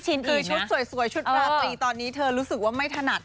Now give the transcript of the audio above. คือชุดสวยชุดราตรีตอนนี้เธอรู้สึกว่าไม่ถนัด